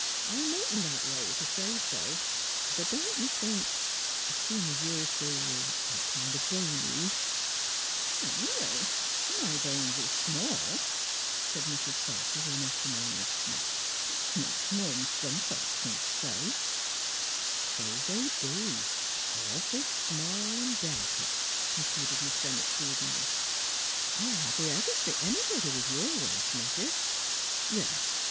... I '11 make 'em that way, if you say so. But don't you think — seein' you're so kind o' boney "'' Anyway, my bones is small, '' said Mrs. Salter, with an acrimonious sniff. '^ 'N' that's more'n some folks c'n say." *' So they be — awful small an' delicate," con ceded Miss Bennett, soothingly. " I hardly ever MALVINA POINTS A MORAL 173 fit anybody with your waist measure. There